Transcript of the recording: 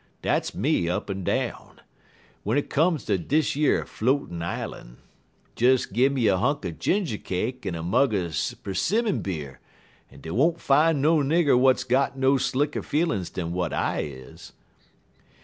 Dat's me up an down. W'en it come ter yo' floatin' ilun, des gimme a hunk er ginger cake en a mug er 'simmon beer, en dey won't fine no nigger w'ats got no slicker feelin's dan w'at I is.